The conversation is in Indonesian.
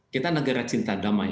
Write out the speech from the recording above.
kita negara cinta damai